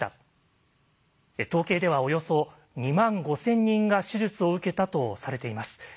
統計ではおよそ２万５，０００人が手術を受けたとされています。